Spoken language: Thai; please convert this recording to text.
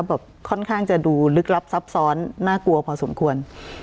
แบบค่อนข้างจะดูลึกลับซับซ้อนน่ากลัวพอสมควร